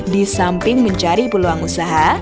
di samping mencari peluang usaha